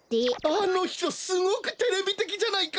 あのひとすごくテレビてきじゃないか。